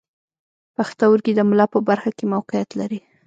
پښتورګي د ملا په برخه کې موقعیت لري.